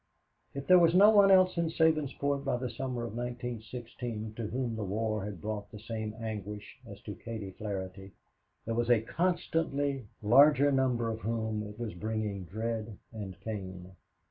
If there was no one else in Sabinsport by the summer of 1916 to whom the war had brought the same anguish as to Katie Flaherty, there was a constantly larger number to whom it was bringing dread and pain.